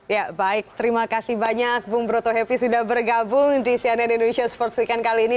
ya baik terima kasih banyak bung broto happy sudah bergabung di cnn indonesia sports weekend kali ini